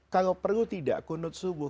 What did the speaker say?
kalau perlu tidak kunut subuh